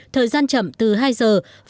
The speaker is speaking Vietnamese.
thời gian chậm từ hai giờ